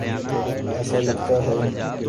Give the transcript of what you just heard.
ایسا لگتا ہے۔